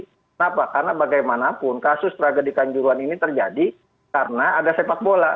kenapa karena bagaimanapun kasus tragedi kanjuruhan ini terjadi karena ada sepak bola